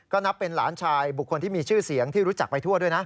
ก็นับเป็นหลานชายบุคคลที่มีชื่อเสียงที่รู้จักไปทั่วด้วยนะ